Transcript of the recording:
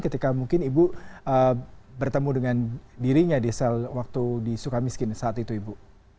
ketika mungkin ibu bertemu dengan dirinya di sel waktu di sukamiskin saat itu ibu